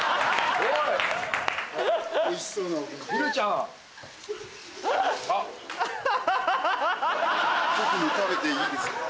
僕も食べていいですか？